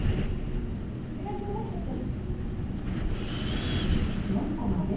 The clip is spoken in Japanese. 時間ちょうだいちょっと。